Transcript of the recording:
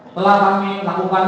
telah kami lakukan